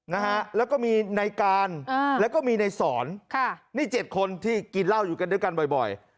นะฮะแล้วก็มีในการอ่าแล้วก็มีในสอนค่ะนี่เจ็ดคนที่กินเหล้าอยู่กันด้วยกันบ่อย